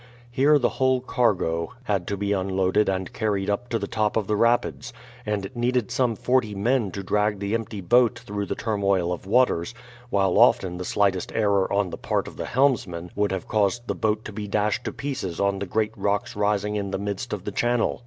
Here the whole cargo had to be unloaded and carried up to the top of the rapids, and it needed some forty men to drag the empty boat through the turmoil of waters, while often the slightest error on the part of the helmsman would have caused the boat to be dashed to pieces on the great rocks rising in the midst of the channel.